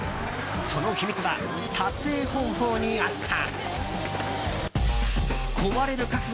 その秘密は撮影方法にあった。